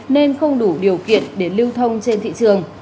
nên không đủ điều kiện để lưu thông trên thị trường